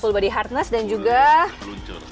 full body harness dan juga peluncur